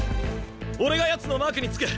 俺がやつのマークにつく！